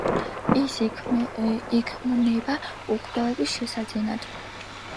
ის იქმნება უკვდავების შესაძენად.